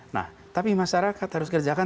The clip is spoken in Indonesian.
nah tapi masyarakat harus kerjakan